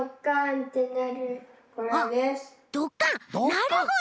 なるほど！